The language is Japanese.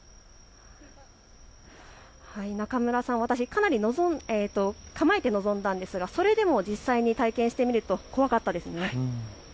中村さん、私構えて臨んだんですがそれでも実際に体験してみると怖かったです。